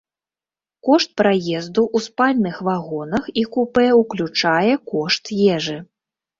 Кошт праезду ў спальных вагонах і купэ ўключае кошт ежы.